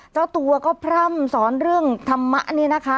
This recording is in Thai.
เจ้าตัวก็พร่ำสอนเรื่องธรรมะนี่นะคะ